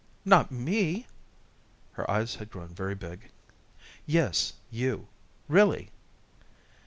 "Not me?" Her eyes had grown very big. "Yes, you really."